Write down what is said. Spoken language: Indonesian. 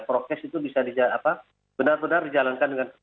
prokes itu bisa benar benar dijalankan dengan